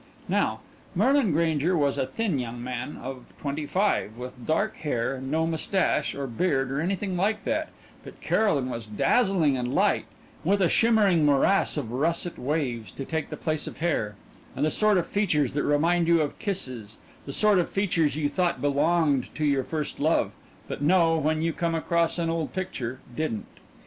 Now, Merlin Grainger was a thin young man of twenty five, with dark hair and no mustache or beard or anything like that, but Caroline was dazzling and light, with a shimmering morass of russet waves to take the place of hair, and the sort of features that remind you of kisses the sort of features you thought belonged to your first love, but know, when you come across an old picture, didn't.